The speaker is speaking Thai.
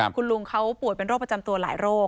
คุณลุงเขาป่วยเป็นโรคประจำตัวหลายโรค